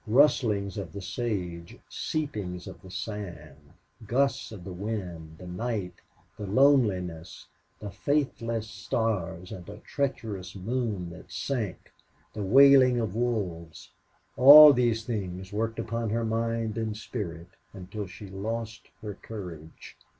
Rustlings of the sage, seepings of the sand, gusts of the wind, the night, the loneliness, the faithless stars and a treacherous moon that sank, the wailing of wolves all these things worked upon her mind and spirit until she lost her courage.